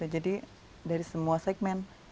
jadi dari semua segmen